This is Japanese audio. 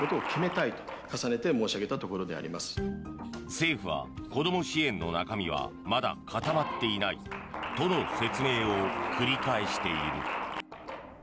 政府は、子ども支援の中身はまだ固まっていないとの説明を繰り返している。